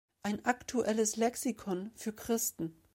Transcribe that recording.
Ein aktuelles Lexikon für Christen“.